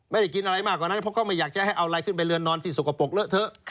ไม่ได้กินอะไรมากกว่านั้นเพราะเขาไม่อยากจะให้เอาอะไรขึ้นไปเรือนนอนที่สกปรกเลอะเถอะ